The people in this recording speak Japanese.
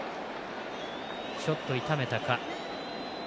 ちょっと痛めたか。